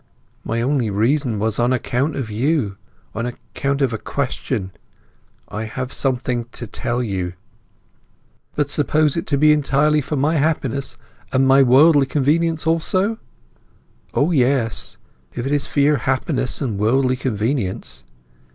"My only reason was on account of you—on account of a question. I have something to tell you—" "But suppose it to be entirely for my happiness, and my worldly convenience also?" "O yes; if it is for your happiness and worldly convenience.